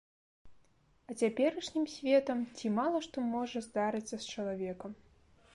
А цяперашнім светам ці мала што можа здарыцца з чалавекам.